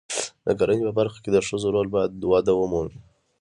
د کرنې په برخه کې د ښځو رول باید وده ومومي.